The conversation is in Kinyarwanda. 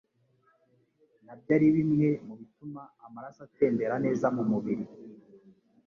nabyo ari bimwe mu bituma amaraso atembera neza mu mubiri